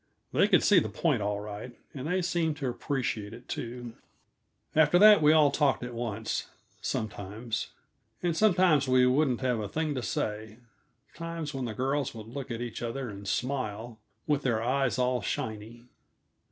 They could see the point, all right, and they seemed to appreciate it, too. After that, we all talked at once, sometimes; and sometimes we wouldn't have a thing to say times when the girls would look at each other and smile, with their eyes all shiny.